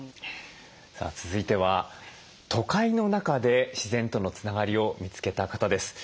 さあ続いては都会の中で自然とのつながりを見つけた方です。